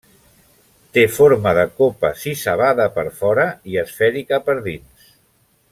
Té forma de copa sisavada per fora i esfèrica per dins.